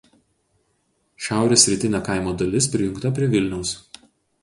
Šiaurės rytinė kaimo dalis prijungta prie Vilniaus.